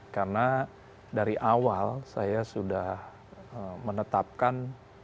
karena dari awal saya sudah menetapkan